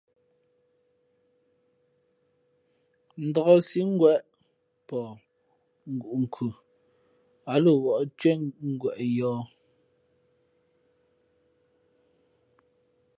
Ndák nsī ngwěʼpαhngǔʼ nkhʉ, ǎ lα wᾱʼ ntʉ́άngweʼ yᾱᾱ.